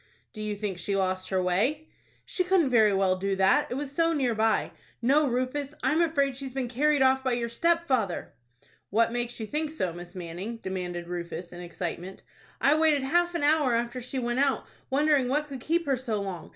"Do you think she lost her way?" "She couldn't very well do that, it was so near by. No, Rufus, I am afraid she has been carried off by your stepfather." "What makes you think so, Miss Manning?" demanded Rufus, in excitement. "I waited half an hour after she went out, wondering what could keep her so long.